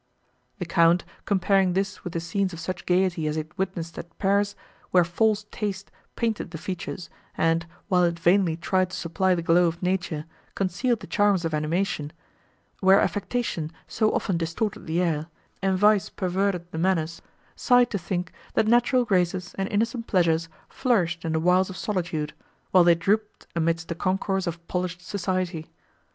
The Count, comparing this with the scenes of such gaiety as he had witnessed at Paris, where false taste painted the features, and, while it vainly tried to supply the glow of nature, concealed the charms of animation—where affectation so often distorted the air, and vice perverted the manners—sighed to think, that natural graces and innocent pleasures flourished in the wilds of solitude, while they drooped amidst the concourse of polished society.